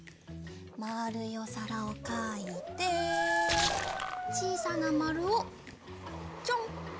まるいおさらをかいてちいさなまるをちょん！